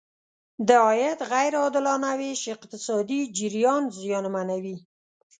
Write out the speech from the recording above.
د عاید غیر عادلانه ویش اقتصادي جریان زیانمنوي.